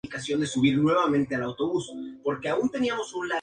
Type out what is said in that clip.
Big" en la película "Sex and the City".